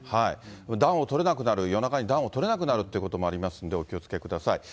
暖をとれなくなる、夜中に暖をとれなくなるってこともありますのでお気をつけください。